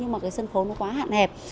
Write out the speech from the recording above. nhưng mà cái sân khấu nó quá hạn hẹp